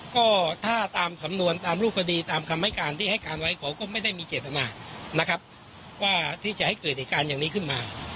ก็ถ้าตามสำนวนตามรูปคดีตามคำให้การที่ให้การไว้เขาก็ไม่ได้มีเจตนานะครับว่าที่จะให้เกิดเหตุการณ์อย่างนี้ขึ้นมา